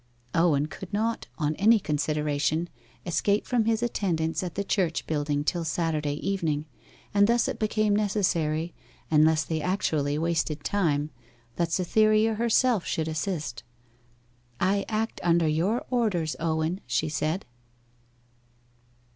Owen could not, on any consideration, escape from his attendance at the church building till Saturday evening; and thus it became necessary, unless they actually wasted time, that Cytherea herself should assist. 'I act under your orders, Owen,' she said.